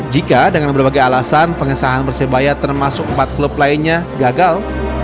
jika dengan berbagai alasan pengesahan persebaya termasuk empat klub lainnya gagal